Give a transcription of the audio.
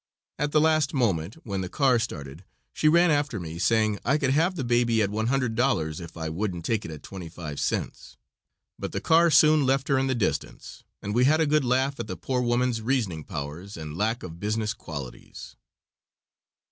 At the last moment, when the car started, she ran after me, saying I could have the baby at $100, if I wouldn't take it at twenty five cents; but the car soon left her in the distance, and we had a good laugh at the poor woman's reasoning powers and lack of business qualities.